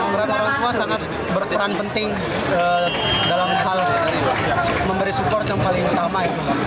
karena orang tua sangat berperan penting dalam hal memberi support yang paling utama